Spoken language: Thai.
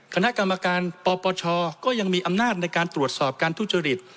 คณะกรรมการปปชก็ยังมีอำนาจในการตรวจสอบการทุจริต